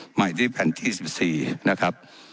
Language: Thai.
หมายที่แผ่นที่๑๔นะครับ